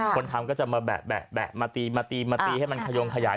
คนทำจะมาแบะมาตีให้มันคายองขยาย